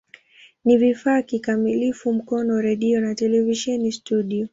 Ni vifaa kikamilifu Mkono redio na televisheni studio.